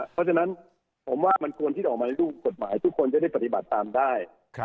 เพราะฉะนั้นผมว่ามันควรที่จะออกมาในรูปกฎหมายทุกคนจะได้ปฏิบัติตามได้